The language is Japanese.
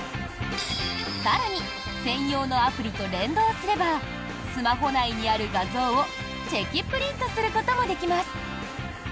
更に専用のアプリと連動すればスマホ内にある画像をチェキプリントすることもできます。